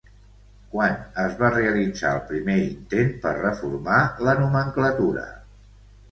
Quan es va realitzar el primer intent per reformar la nomenclatura?